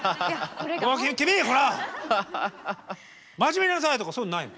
「君ほら真面目にやんなさい」とかそういうのないの？